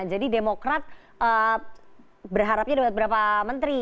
jadi demokrat berharapnya dapat berapa menteri